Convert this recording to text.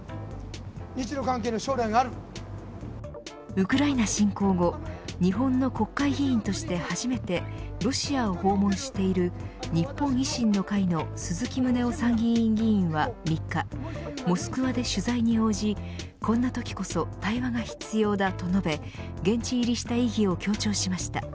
ウクライナ侵攻後日本の国会議員として初めてロシアを訪問している日本維新の会の鈴木宗男参議院議員は３日モスクワで取材に応じこんなときこそ対話が必要だ、と述べ現地入りした意義を強調しました。